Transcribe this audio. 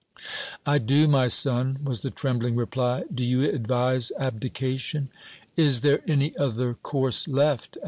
"I do, my son," was the trembling reply. "Do you advise abdication?" "Is there any other course left?"